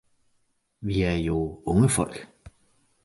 Vi er jo unge folk!